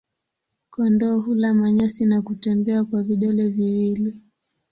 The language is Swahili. Kondoo hula manyasi na kutembea kwa vidole viwili.